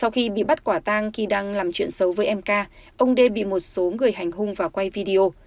khi bắt quả tang khi đang làm chuyện xấu với em k ông d bị một số người hành hung và quay video